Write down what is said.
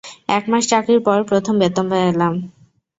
একমাস চাকরির পর প্রথম বেতন পেলাম!